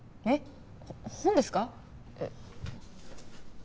えっ本ですか？